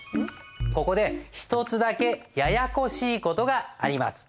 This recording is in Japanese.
ここで一つだけややこしい事があります。